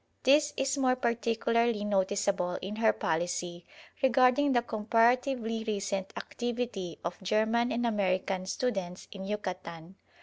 This is more particularly noticeable in her policy regarding the comparatively recent activity of German and American students in Yucatan.